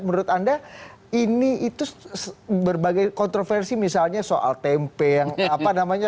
menurut anda ini itu berbagai kontroversi misalnya soal tempe yang apa namanya